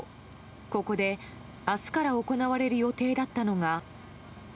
ここで明日から行われる予定だったのが。